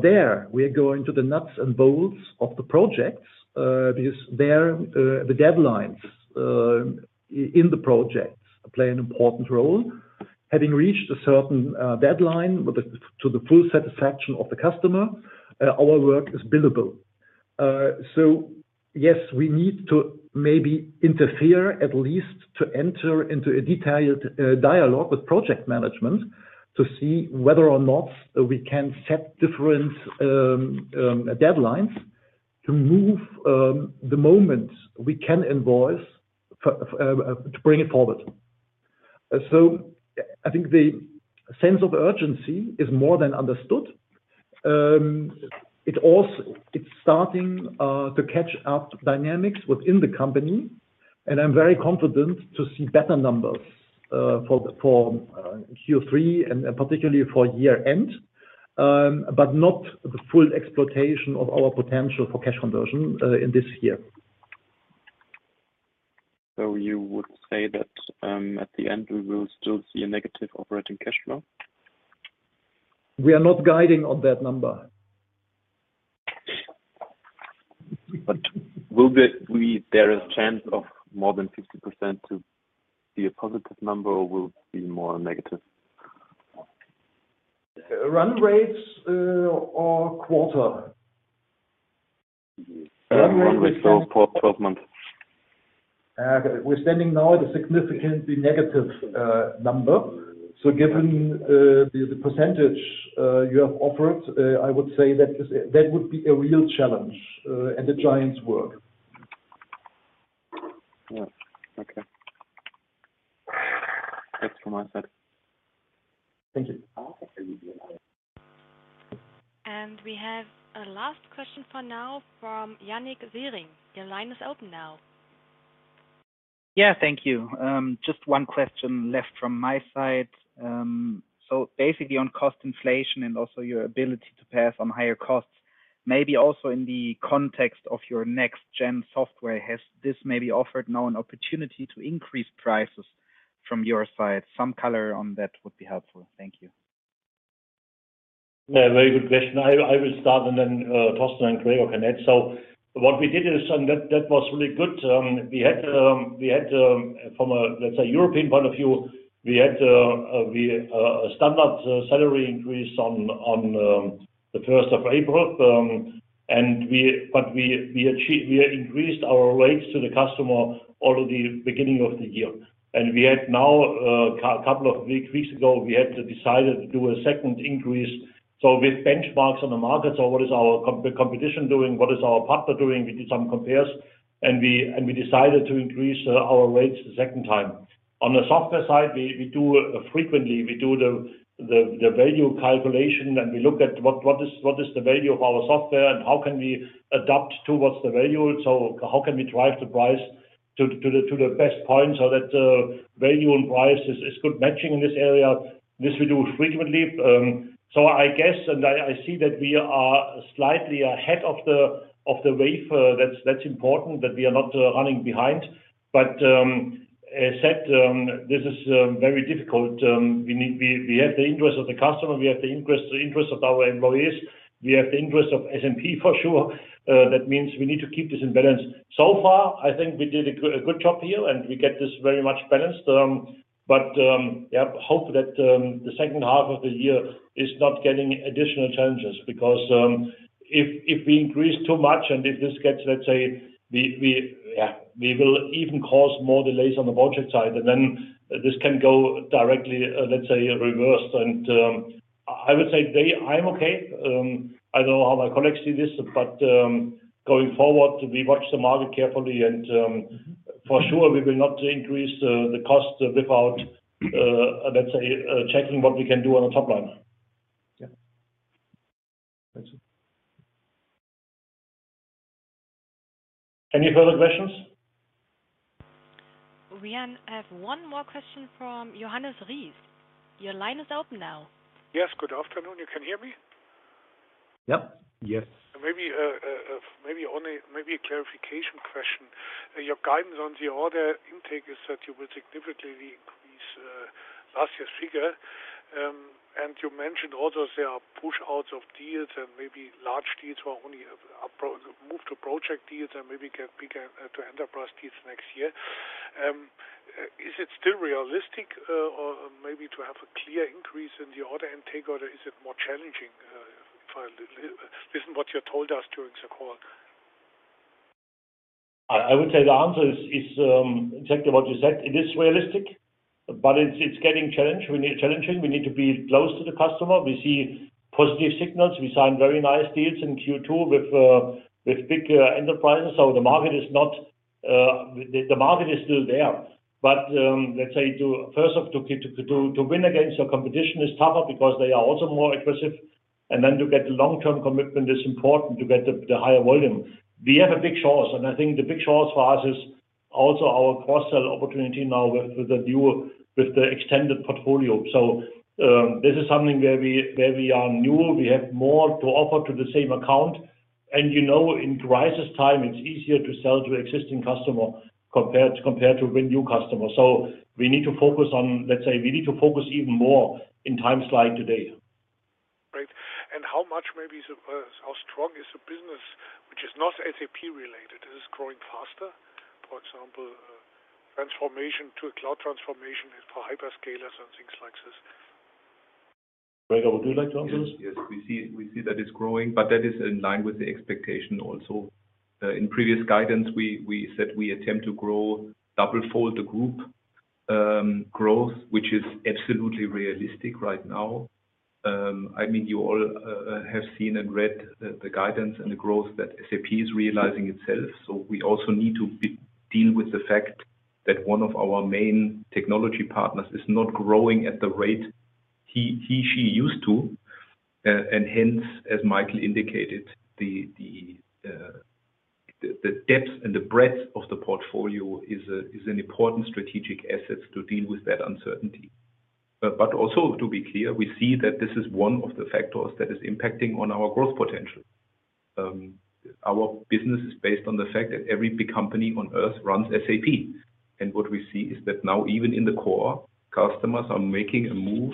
There we are going to the nuts and bolts of the projects, because there, the deadlines in the projects play an important role. Having reached a certain deadline to the full satisfaction of the customer, our work is billable. Yes, we need to maybe intervene at least to enter into a detailed dialogue with project management to see whether or not we can set different deadlines. To move the moment we can invoice for to bring it forward. I think the sense of urgency is more than understood. It's also starting to catch up dynamics within the company, and I'm very confident to see better numbers for Q3 and particularly for year-end, but not the full exploitation of our potential for cash conversion in this year. You would say that, at the end, we will still see a negative operating cash flow? We are not guiding on that number. There is a chance of more than 50% to be a positive number or will be more negative? Run rates, or quarter? Run rates for 12 months. We're standing now at a significantly negative number. Given the percentage you have offered, I would say that would be a real challenge and a giant's work. Yeah. Okay. That's from my side. Thank you. We have a last question for now from Yannik Siering. Your line is open now. Yeah, thank you. Just one question left from my side. Basically on cost inflation and also your ability to pass on higher costs, maybe also in the context of your next-gen software, has this maybe offered now an opportunity to increase prices from your side? Some color on that would be helpful. Thank you. Yeah, very good question. I will start and then Thorsten and Gregor can add. What we did is, and that was really good, we had from a, let's say, European point of view, we had a standard salary increase on the first of April. But we increased our rates to the customer already beginning of the year. We had now, a couple of weeks ago, we had decided to do a second increase. With benchmarks on the market, what is our competition doing? What is our partner doing? We did some comparisons, and we decided to increase our rates the second time. On the software side, we do frequently the value calculation, and we look at what is the value of our software and how can we adapt towards the value. How can we drive the price to the best point so that value and price is good matching in this area. This we do frequently. I guess, I see that we are slightly ahead of the wave. That's important that we are not running behind. As said, this is very difficult. We have the interest of the customer, we have the interest of our employees, we have the interest of SNP for sure. That means we need to keep this in balance. So far, I think we did a good job here, and we get this very much balanced. Hope that the second half of the year is not getting additional challenges because if we increase too much and if this gets, let's say, we will even cause more delays on the budget side, and then this can go directly, let's say, reversed. I would say I'm okay. I don't know how my colleagues see this, but going forward, we watch the market carefully and for sure, we will not increase the cost without, let's say, checking what we can do on the top line. Yeah. Thanks. Any further questions? We have one more question from Johannes Ries. Your line is open now. Yes, good afternoon. You can hear me? Yep. Yes. Maybe a clarification question. Your guidance on the order intake is that you will significantly increase last year's figure. You mentioned also there are push outs of deals and maybe large deals who are only moved to project deals and maybe get bigger to enterprise deals next year. Is it still realistic or maybe to have a clear increase in the order intake, or is it more challenging than what you told us during the call? I would say the answer is exactly what you said. It is realistic, but it's getting challenged. We need challenging. We need to be close to the customer. We see positive signals. We signed very nice deals in Q2 with big enterprises. The market is still there. Let's say to win against your competition is tougher because they are also more aggressive. Then to get long-term commitment is important to get the higher volume. We have a big source, and I think the big source for us is also our cross-sell opportunity now with the new extended portfolio. This is something where we are new. We have more to offer to the same account. You know, in crisis time, it's easier to sell to existing customer compared to win new customer. We need to focus even more in times like today. Right. How strong is the business which is not SAP related? Is it growing faster? For example, transformation to a cloud transformation for hyperscalers and things like this. Gregor, would you like to answer this? Yes. We see that it's growing, but that is in line with the expectation also. In previous guidance, we said we attempt to grow twofold the group. Growth, which is absolutely realistic right now. I mean, you all have seen and read the guidance and the growth that SAP is realizing itself. We also need to deal with the fact that one of our main technology partners is not growing at the rate he, she used to. Hence, as Michael indicated, the depth and the breadth of the portfolio is an important strategic asset to deal with that uncertainty. Also to be clear, we see that this is one of the factors that is impacting on our growth potential. Our business is based on the fact that every big company on Earth runs SAP. What we see is that now even in the core, customers are making a move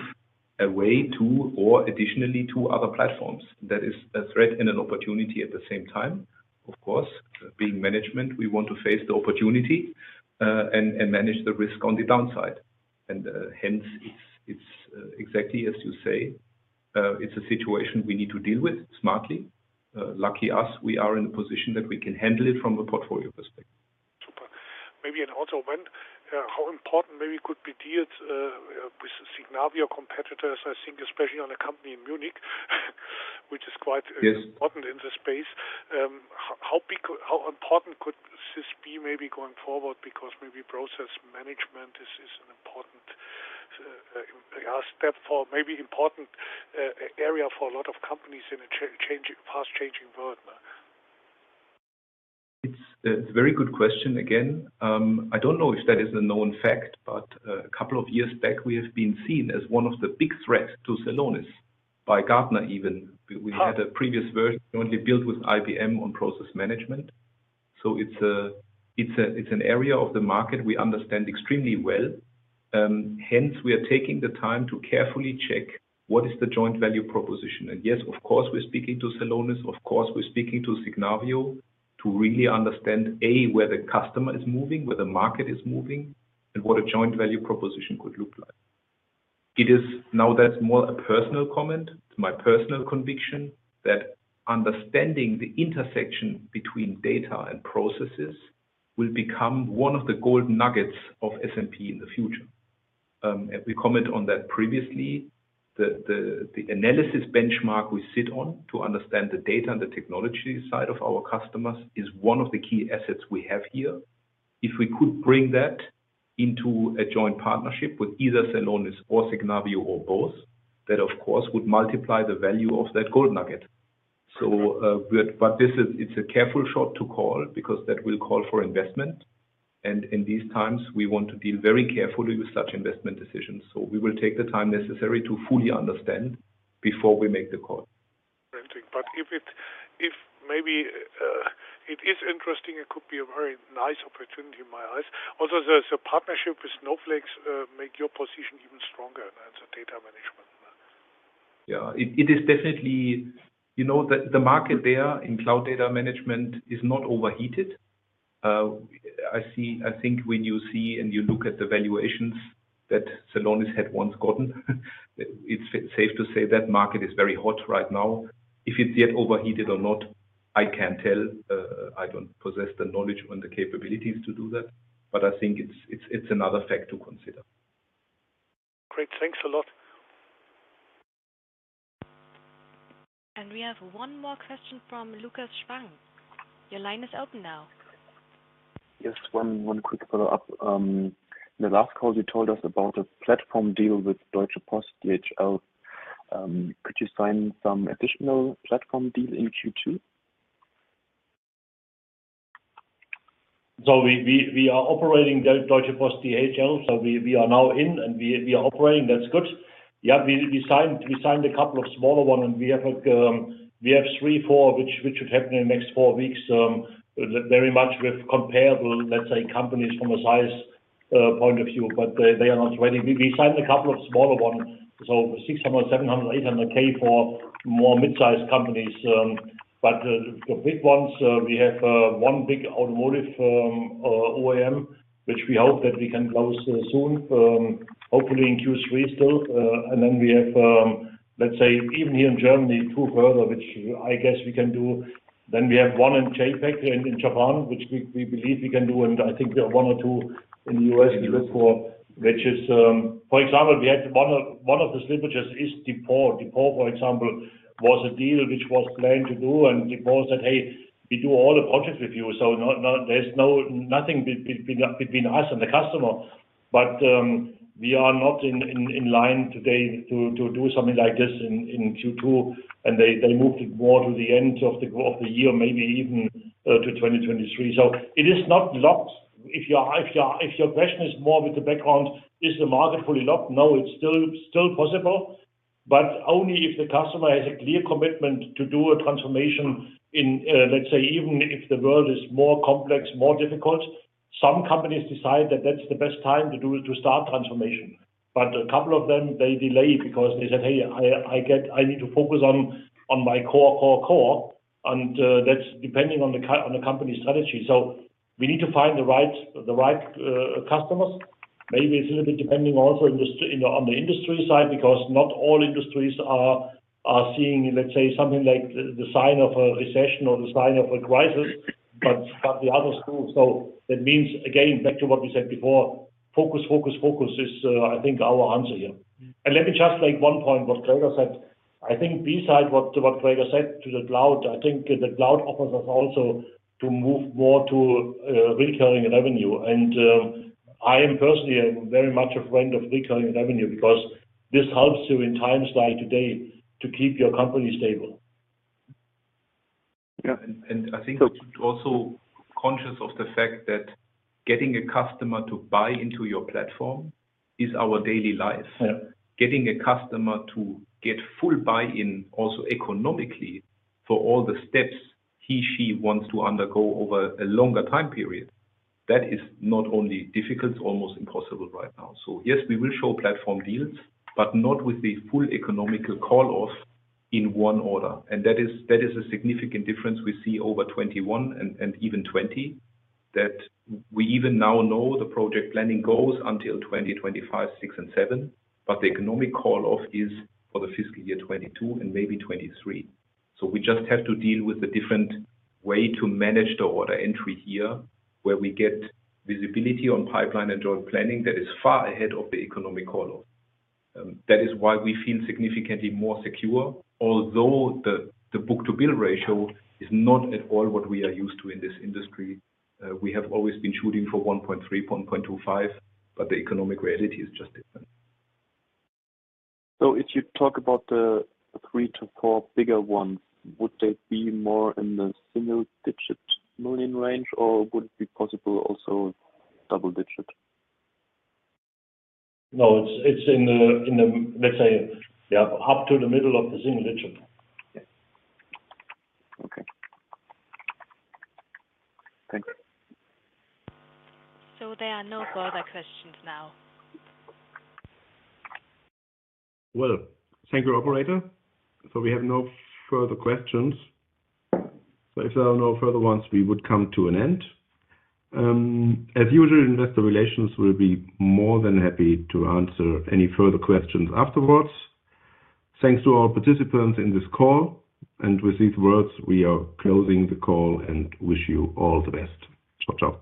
away to or additionally to other platforms. That is a threat and an opportunity at the same time. Of course, being management, we want to face the opportunity and manage the risk on the downside. Hence, it's exactly as you say, it's a situation we need to deal with smartly. Lucky us, we are in a position that we can handle it from a portfolio perspective. Super. Maybe and also when, how important maybe could be dealt with Signavio competitors, I think, especially one company in Munich, which is quite- Yes. Important in the space. How important could this be maybe going forward because maybe process management is an important maybe important area for a lot of companies in a fast-changing world now? It's a very good question again. I don't know if that is a known fact, but a couple of years back, we have been seen as one of the big threats to Celonis by Gartner even. We had a previous version only built with IBM on process management. So it's an area of the market we understand extremely well. Hence, we are taking the time to carefully check what is the joint value proposition. Yes, of course, we're speaking to Celonis, of course, we're speaking to Signavio to really understand, A, where the customer is moving, where the market is moving, and what a joint value proposition could look like. Now that's more a personal comment. It's my personal conviction that understanding the intersection between data and processes will become one of the gold nuggets of SAP in the future. We comment on that previously. The analysis benchmark we sit on to understand the data and the technology side of our customers is one of the key assets we have here. If we could bring that into a joint partnership with either Celonis or Signavio or both, that of course would multiply the value of that gold nugget. This is a careful shot to call because that will call for investment. In these times, we want to deal very carefully with such investment decisions. We will take the time necessary to fully understand before we make the call. If maybe it is interesting, it could be a very nice opportunity in my eyes. Also, the partnership with Snowflake make your position even stronger than the data management. It is definitely. You know, the market there in cloud data management is not overheated. I think when you see and you look at the valuations that Celonis had once gotten, it's safe to say that market is very hot right now. If it's yet overheated or not, I can't tell. I don't possess the knowledge and the capabilities to do that, but I think it's another fact to consider. Great. Thanks a lot. We have one more question from Lukas Spang. Your line is open now. Yes. One quick follow-up. In the last call, you told us about a platform deal with Deutsche Post DHL. Could you sign some additional platform deal in Q2? We are operating Deutsche Post DHL. We are now in and we are operating. That's good. Yeah, we signed a couple of smaller one, and we have three, four which should happen in the next four weeks very much with comparable, let's say, companies from a size point of view, but they are not ready. We signed a couple of smaller one, so 600K, 700K, 800K for more mid-sized companies. But the big ones, we have one big automotive OEM which we hope that we can close soon, hopefully in Q3 still. Then we have, let's say, even here in Germany two further which I guess we can do. We have one in JAPAC in Japan, which we believe we can do. I think there are one or two in the U.S. we look for, which is. For example, one of the slippages is Home Depot. Home Depot, for example, was a deal which was planned to do, and Home Depot said, "Hey, we do all the project review, so no, there's nothing between us and the customer." We are not in line today to do something like this in Q2, and they moved it more to the end of the year, maybe even to 2023. It is not locked. If your question is more with the background, is the market fully locked? No, it's still possible, but only if the customer has a clear commitment to do a transformation in, let's say, even if the world is more complex, more difficult. Some companies decide that that's the best time to start transformation. A couple of them delay because they said, "Hey, I need to focus on my core." That depends on the company strategy. We need to find the right customers. Maybe it depends a little bit also on the industry side, you know, because not all industries are seeing, let's say, something like the sign of a recession or the sign of a crisis, but the others. That means, again, back to what we said before, focus, focus is, I think our answer here. Let me just make one point what Gregor said. I think besides what Gregor said about the cloud, I think the cloud offers us also to move more to recurring revenue. I am personally very much a friend of recurring revenue because this helps you in times like today to keep your company stable. Yeah. I think also conscious of the fact that getting a customer to buy into your platform is our daily life. Yeah. Getting a customer to get full buy in also economically for all the steps he, she wants to undergo over a longer time period, that is not only difficult, it's almost impossible right now. Yes, we will show platform deals, but not with the full economical call off in one order. That is a significant difference we see over 2021 and even 2020, that we even now know the project planning goes until 2025, 2026 and 2027, but the economic call off is for the fiscal year 2022 and maybe 2023. We just have to deal with the different way to manage the order entry here, where we get visibility on pipeline and joint planning that is far ahead of the economic call off. That is why we feel significantly more secure, although the book-to-bill ratio is not at all what we are used to in this industry. We have always been shooting for 1.3, 1.25, but the economic reality is just different. If you talk about the three to four bigger ones, would they be more in the single-digit million range or would it be possible also double-digit? No, it's in the, let's say, yeah, up to the middle of the single digit. Yeah. Okay. Thank you. There are no further questions now. Well, thank you, operator. We have no further questions. If there are no further ones, we would come to an end. As usual, investor relations will be more than happy to answer any further questions afterwards. Thanks to our participants in this call. With these words, we are closing the call and wish you all the best. Ciao, ciao.